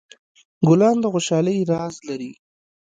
ګلان د خوشحالۍ راز لري.